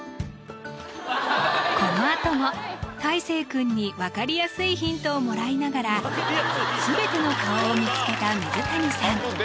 このあともたいせい君に分かりやすいヒントをもらいながら全ての顔を見つけた水谷さん